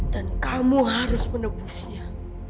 dan kamu harus menembusnya